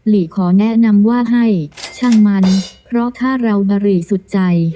ลีขอแนะนำว่าให้ช่างมันเพราะถ้าเราบะหรี่สุดใจ